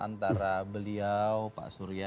antara beliau pak surya